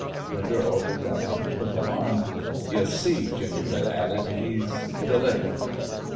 The girl looked up in quick alarm. "You see," Gingerbread added, "he's de layed."